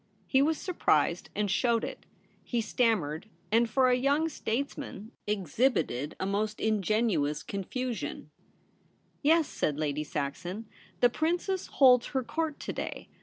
He was surprised, and showed it ; he stam mered, and for a young statesman exhibited a most ingenuous confusion. MARY'S RECEPTION. 251 * Yes,' said Lady Saxon. ' The Princess holds her Court to day.